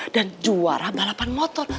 dan juara balapan motor